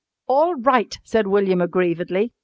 "All right," said William aggrievedly.